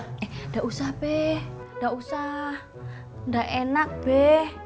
nggak usah be nggak usah nggak enak be